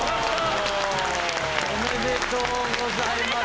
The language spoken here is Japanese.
おめでとうございます。